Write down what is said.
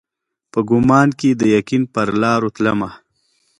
په ګمان کښي د یقین پرلارو تلمه